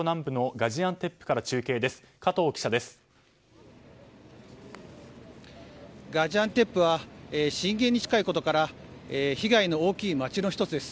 ガジアンテップは震源に近いことから被害の大きい街の１つです。